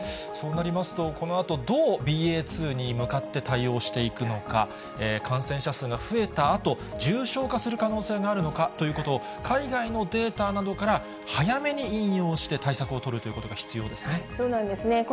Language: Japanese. そうなりますとこのあとどうＢＡ．２に向かって対応していくのか、感染者数が増えたあと、重症化する可能性があるのかということを海外のデータなどから早めに引用して対策を取るということが必要ですね。